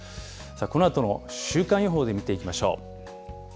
このあとの週間予報で見ていきましょう。